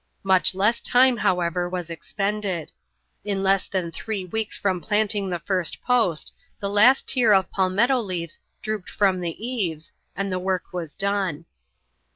Much less time, however, was expended. In less than three weeks from planting the first post, the last tier of palmetto leaves drooped from the eaves, and the work was done.